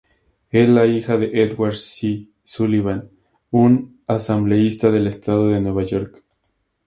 Es la hija de Edward C. Sullivan, un asambleísta del Estado de Nueva York.